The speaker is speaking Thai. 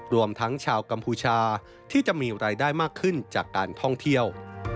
รวมทั้งชาวกัมพูชาที่จะมีรายได้มากขึ้นจากการท่องเที่ยว